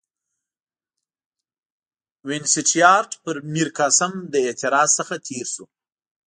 وینسیټیارټ پر میرقاسم له اعتراض څخه تېر شو.